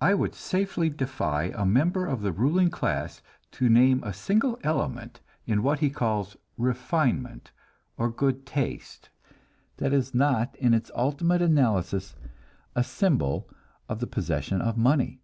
I would safely defy a member of the ruling class to name a single element in what he calls "refinement," or "good taste," that is not in its ultimate analysis a symbol of the possession of money.